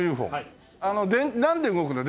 何で動くの？